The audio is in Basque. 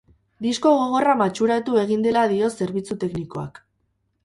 Disko gogorra matxuratu egin dela dio zerbitzu teknikoak.